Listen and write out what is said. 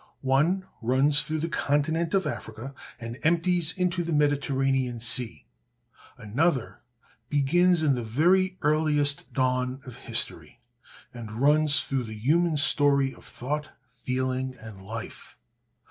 One runs through the continent of Africa, and empties into the Mediterranean Sea. Another begins in the very earliest dawn of history, and runs through the human story of thought, feeling, and life.